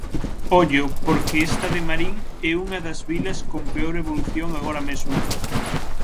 Ollo, porque esta de Marín é unha das vilas con peor evolución agora mesmo.